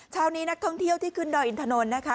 เช้านี้นักท่องเที่ยวที่ขึ้นดอยอินทนนท์นะคะ